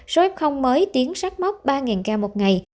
số f mới tiến sát mốc ba ca một ngày